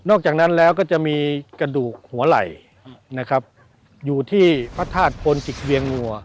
อกจากนั้นแล้วก็จะมีกระดูกหัวไหล่นะครับอยู่ที่พระธาตุพลจิกเวียงวัว